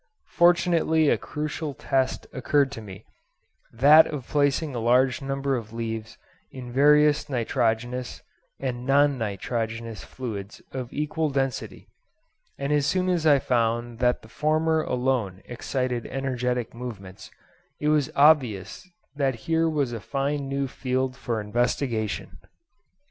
Fortunately a crucial test occurred to me, that of placing a large number of leaves in various nitrogenous and non nitrogenous fluids of equal density; and as soon as I found that the former alone excited energetic movements, it was obvious that here was a fine new field for investigation.